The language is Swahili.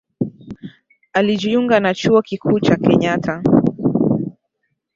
Alijiunga na chuo kikuu cha Kenyatta